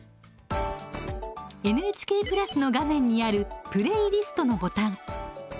ＮＨＫプラスの画面にある「プレイリスト」のボタン。